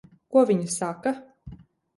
Ko viņi saka?